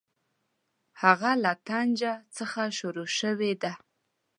هغه له طنجه څخه شروع شوې ده.